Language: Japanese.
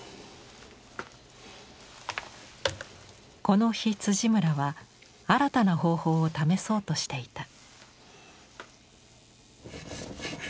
この日村は新たな方法を試そうとしていた。